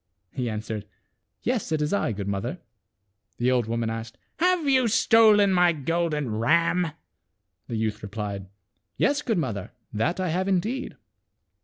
He an swered, "Yes, it is I, good mother." The old woman asked, " Have you stolen my golden ram ?" The youth replied, " Yes, good mother, that I have indeed."